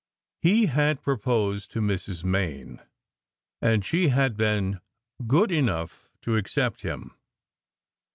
He had proposed to Mrs. Main, and she had been "good enough to accept him."